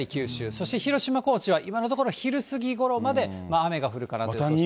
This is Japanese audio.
そして広島、高知は今のところ昼過ぎごろまで雨が降るかなと予想しています。